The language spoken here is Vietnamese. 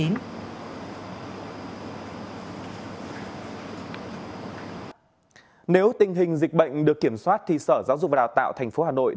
nếu tình hình dịch bệnh được kiểm soát thì sở giáo dục và đào tạo tp hà nội